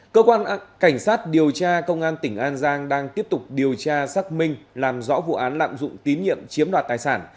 cơ quan cảnh sát điều tra công an tp hcm đang tiếp tục điều tra xác minh làm rõ vụ án lạm dụng tín nhiệm chiếm đoạt tài sản